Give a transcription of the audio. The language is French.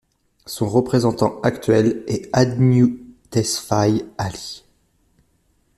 Son représentant actuel est Adnew Tesfaye Ali.